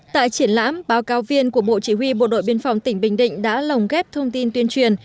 tại triển lãm báo cáo viên của bộ chỉ huy bộ đội biên phòng tỉnh bình định đã lồng ghép thông tin tuyên truyền